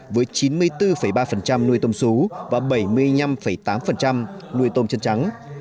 với chín mươi bốn ba nuôi tôm xú và bảy mươi năm tám nuôi tôm chân trắng